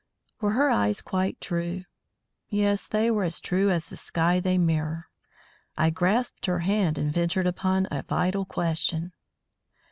Were her eyes quite true? Yes, they were as true as the sky they mirror. I grasped her hand and ventured upon a vital question.